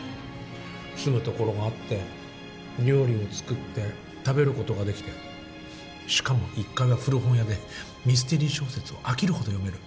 住む所があって料理を作って食べることができてしかも１階は古本屋でミステリー小説を飽きるほど読める。